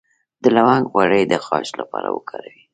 د لونګ غوړي د غاښ لپاره وکاروئ